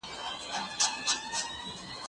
زه به د ښوونځی لپاره امادګي نيولی وي.